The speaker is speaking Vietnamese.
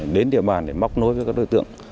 đến địa bàn để móc nối với các đối tượng